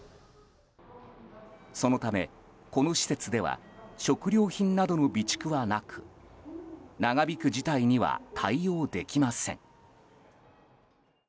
そのため、この施設では食料品などの備蓄はなく長引く事態には対応できません。